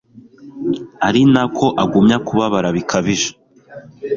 ari na ko agumya kubabara bikabije